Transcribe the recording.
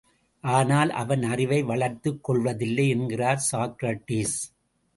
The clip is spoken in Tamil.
ஆனால், அவன் அறிவை வளர்த்துக் கொள்வதில்லை என்கிறார் சாக்ரடீஸ்.